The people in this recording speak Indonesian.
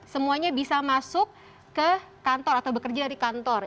semuanya bisa masuk ke kantor atau bekerja dari kantor